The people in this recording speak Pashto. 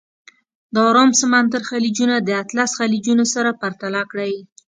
د ارام سمندر خلیجونه د اطلس خلیجونه سره پرتله کړئ.